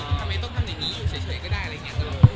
ทำไมต้องทำอย่างนี้อยู่เฉยก็ได้อะไรอย่างนี้